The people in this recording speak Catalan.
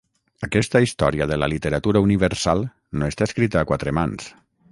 Aquesta història de la literatura universal no està escrita a quatre mans.